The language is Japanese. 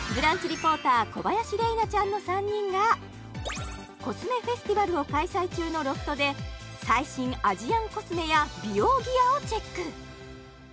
リポーター小林麗菜ちゃんの３人がコスメフェスティバルを開催中のロフトで最新アジアンコスメや美容ギアをチェック